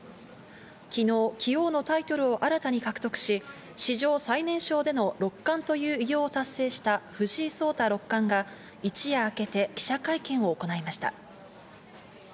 昨日、棋王のタイトルを新たに獲得し、史上最年少での六冠という偉業を達成した藤井聡太六冠が、一夜あけて記者会見を行いました。